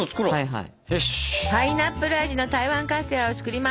はい。